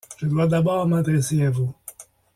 Je dois d’abord m’adresser à vous.